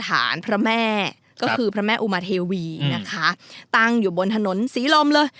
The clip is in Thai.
ฐานพระแม่ก็คือพระแม่อุมาเทวีนะคะตั้งอยู่บนถนนศรีลมเลย